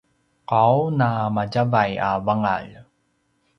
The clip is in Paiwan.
qau na madjavay a vangalj